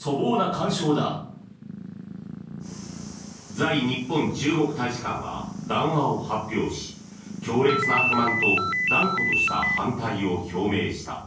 在日本中国大使館は談話を発表し強烈な不満と断固とした反対を表明した。